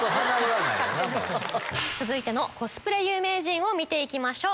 続いてのコスプレ有名人を見て行きましょう！